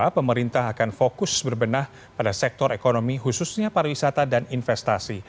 pemerintah akan fokus berbenah pada sektor ekonomi khususnya pariwisata dan investasi